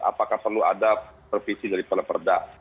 apakah perlu ada revisi daripada perda